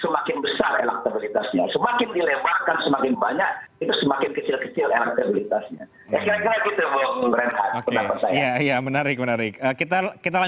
semakin dilewarkan semakin banyak itu semakin kecil kecil elektabilitasnya